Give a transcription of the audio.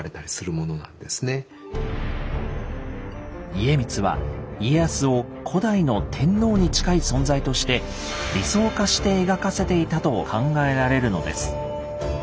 家光は家康を古代の天皇に近い存在として理想化して描かせていたと考えられるのです。